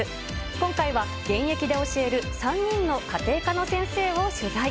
今回は現役で教える３人の家庭科の先生を取材。